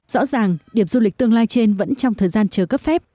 rõ ràng điểm du lịch tương lai trên vẫn trong thời gian chờ cấp phép